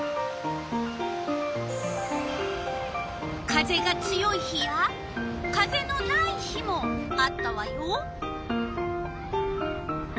風が強い日や風のない日もあったわよ。